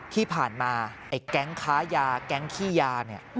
ที่ผ่านมาแก๊งค้ายาแก๊งขี้ยา